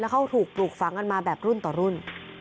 เขาถูกปลูกฝังกันมาแบบรุ่นต่อรุ่น